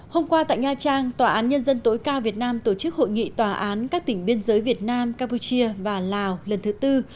hôm qua tại nha trang tòa án nhân dân tối cao việt nam tổ chức hội nghị tòa án các tỉnh biên giới việt nam campuchia và lào lần thứ tư